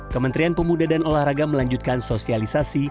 kementerian pemuda dan olahraga melanjutkan sosialisasi